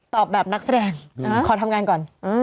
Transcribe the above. ตอบแบบนักแสดงขอทำงานก่อน